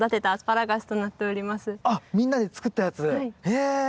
へえ！